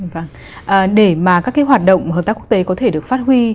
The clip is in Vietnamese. vâng để mà các cái hoạt động hợp tác quốc tế có thể được phát huy